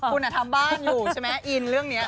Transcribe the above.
คุณทำบ้านอยู่ใช่ไหมอินเรื่องนี้